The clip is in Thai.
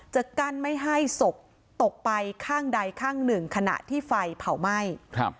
จะกั้นไม่ให้ศพตกไปข้างใดข้างหนึ่งขณะที่ไฟเผาไหม้ครับ